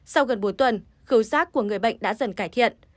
sau gần bốn tuần khấu rác của người bệnh đã dần cải thiện